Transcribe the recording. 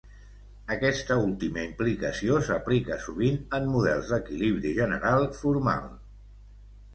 Aquesta última implicació s'aplica sovint en models d'equilibri general formal.